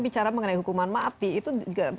bicara mengenai hukuman mati itu